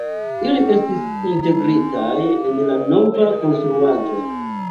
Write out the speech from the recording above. Ili estis integritaj en la nova konstruaĵo.